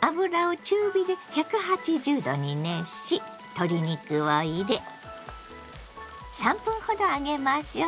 油を中火で１８０℃に熱し鶏肉を入れ３分ほど揚げましょう。